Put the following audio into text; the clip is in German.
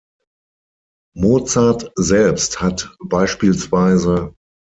Mozart selbst hat bspw.